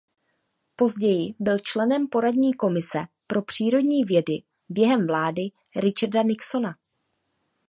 Později byl členem poradní komise pro přírodní vědy během vlády Richarda Nixona.